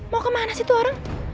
mau kemana sih itu orang